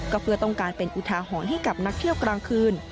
ก็เพื่อต้องการเป็นอุทาหรณ์ให้กับนักเที่ยวกลางคืน